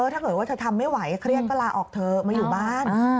ถ้าเกิดว่าเธอทำไม่ไหวเครียดก็ลาออกเถอะมาอยู่บ้าน